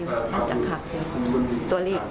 อันนี้แม่งอียางเนี่ย